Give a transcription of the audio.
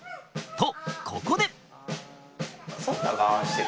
とここで。